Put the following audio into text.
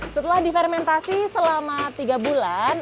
setelah difermentasi selama tiga bulan